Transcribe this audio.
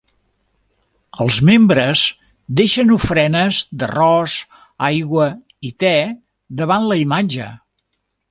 Els membres deixen ofrenes d'arròs, aigua i te davant la imatge.